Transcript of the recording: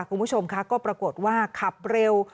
คุณผู้ชมค่ะก็ปรากฏว่าขับเร็ว